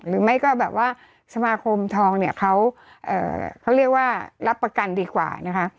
หรือไม่ก็แบบว่าสมาคมทองเนี่ยเขาเรียกว่ารับประกันดีกว่านะคะ